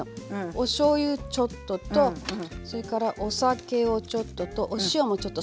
おしょうゆちょっととそれからお酒をちょっととお塩もちょっと。